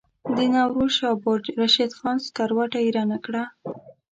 د نوروز شاه برج رشید خان سکروټه ایره نه کړه.